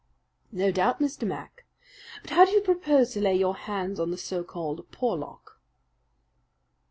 "No doubt, Mr. Mac. But how do you propose to lay your hands on the so called Porlock?"